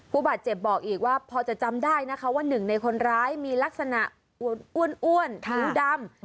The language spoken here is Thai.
ผู้บาดเจ็บบอกอีกว่าพอจะจำได้นะคะว่าหนึ่งในคนร้ายมีลักษณะอ้วนผิวดำ